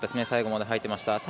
最後まで入っていました。